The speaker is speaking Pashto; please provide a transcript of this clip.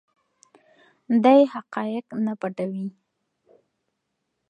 دی حقایق نه پټوي.